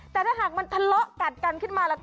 แต่ถ้าหากมันทะเลาะกัดกันขึ้นมา